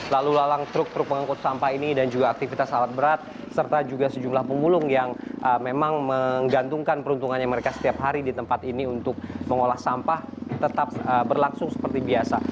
lalu lalang truk truk pengangkut sampah ini dan juga aktivitas alat berat serta juga sejumlah pemulung yang memang menggantungkan peruntungannya mereka setiap hari di tempat ini untuk mengolah sampah tetap berlangsung seperti biasa